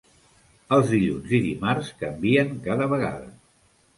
Els dilluns i dimarts canvien cada vegada.